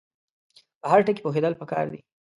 په هر ټکي پوهېدل پکار دي.